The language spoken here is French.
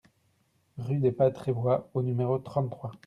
Rue des Bas Trévois au numéro trente-trois